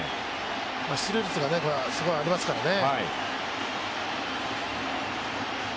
出塁率が、すごいありますからね。